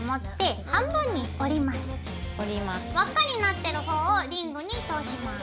輪っかになってる方をリングに通します。